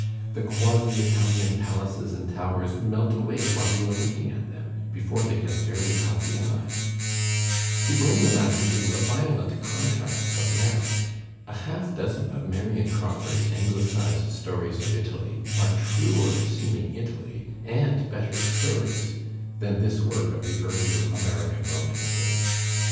The quasi Italian palaces and towers melt away while you are looking at them, before they have fairly caught the eye. To bring the matter to a violent contrast of merit, a half dozen of Marion Crawford's anglicized stories of Italy are truer seeming Italy and better stories than this Digitized by Google I 94 THE SPIRIT OF AMERICAN LITERATURE work of the earKer American romancer.